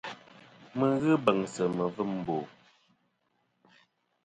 Mi ghɨ beŋsɨ mivim mbo.